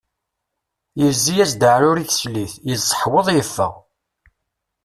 Yezzi-as-d aɛrur i teslit, yezzeḥweḍ yeffeɣ.